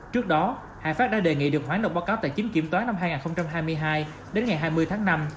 trước đó hải pháp đã đề nghị được hoãn độc báo cáo tài chính kiểm toán năm hai nghìn hai mươi hai đến ngày hai mươi tháng năm